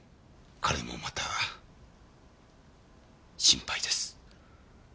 彼もまた心配です。